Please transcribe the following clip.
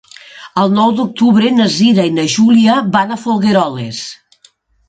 El nou d'octubre na Cira i na Júlia van a Folgueroles.